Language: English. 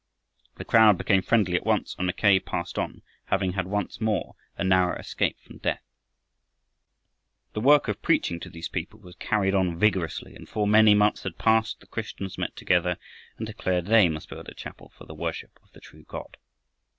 The crowd became friendly at once, and Mackay passed on, having had once more a narrow escape from death. The work of preaching to these people was carried on vigorously, and before many months had passed the Christians met together and declared they must build a chapel for the worship of the true God.